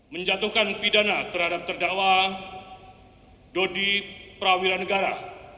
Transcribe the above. menjatuhkan pidana terhadap terdakwa dodi prawira negara